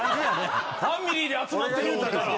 ファミリーで集まってる思たら。